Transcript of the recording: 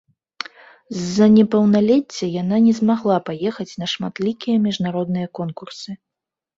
З-за непаўналецця яна не змагла паехаць на шматлікія міжнародныя конкурсы.